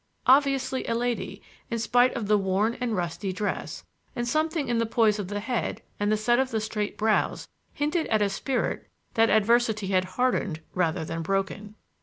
Obviously a lady in spite of the worn and rusty dress, and something in the poise of the head and the set of the straight brows hinted at a spirit that adversity had hardened rather than broken.